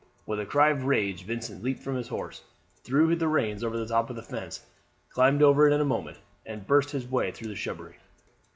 With a cry of rage Vincent leaped from his horse, threw the reins over the top of the fence, climbed over it in a moment, and burst his way through the shrubbery.